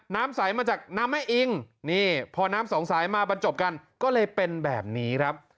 น้ำใสมาจากน้ำแม่อิงนี่พอน้ำสองสายมาบรรจบกันก็เลยเป็นแบบนี้ครับ